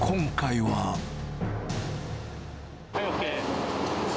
はい、ＯＫ。